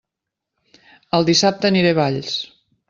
El dissabte aniré a Valls!